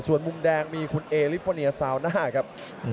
ส่วนมุมแดงมีคุณเอลิฟอร์เนียซาวน่าครับ